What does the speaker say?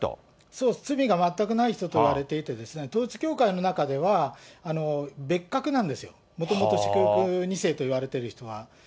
そう、罪が全くない人といわれていて、統一教会の中では、別格なんですよ、もともと祝福２世といわれている人は。